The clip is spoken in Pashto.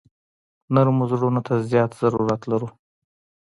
نرمو زړونو ته زیات ضرورت لرو.